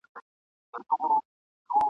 ماته دا عجیبه ښکاره سوه ..